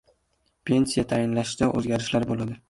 Pensiya tayinlashda o‘zgarishlar bo‘ladi